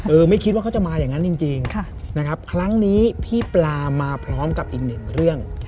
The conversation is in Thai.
ไม่คิดว่าเขาจะมาอย่างนั้นจริงนะครับครั้งนี้พี่ปลามาพร้อมกับอีกหนึ่งเรื่อง